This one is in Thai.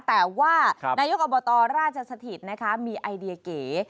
แต่ว่านายกอบตราชสถิตนะคะมีไอเดียเก๋